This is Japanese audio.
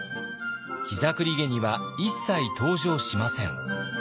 「膝栗毛」には一切登場しません。